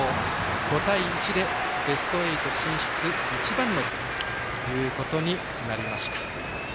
５対１でベスト８進出一番乗りということになりました。